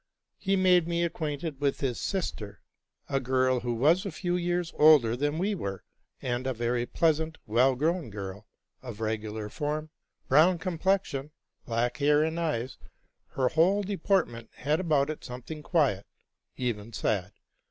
He made me acquainted with his sister, a girl who was a few years older than we were, and a very ple: asant. well grown girl, of regular form, brown complexion, black hair RELATING TO MY LIFE. ve and eyes : her whole deportment had about it something quiet, even sad.